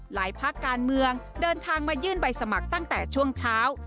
ภาคการเมืองเดินทางมายื่นใบสมัครตั้งแต่ช่วงเช้า